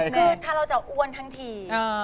คือถ้าเราจะอ้วนทั้งที